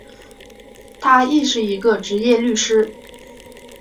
他亦是一个执业律师。